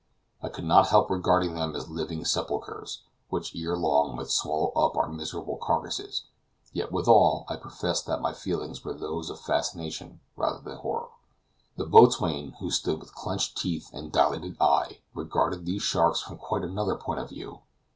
I could not help regarding them as living sepulchers, which ere long might swallow up our miserable carcasses; yet, withal, I profess that my feelings were those of fascination rather than horror. The boatswain, who stood with clenched teeth and dilated eye, regarded these sharks from quite another point of view.